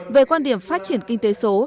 về quan điểm phát triển kinh tế số